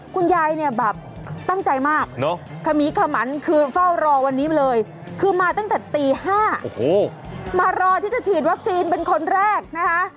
คุณยายเนี่ยแบบตั้งใจมากขมีขมันคือเฝ้ารอวันนี้มาเลยคือมาตั้งแต่ตี๕มารอที่จะฉีดวัคซีนเป็นคนแรกนะคะ